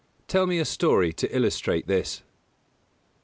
_Tell me a story to illustrate this?